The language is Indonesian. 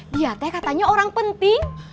diatnya katanya orang penting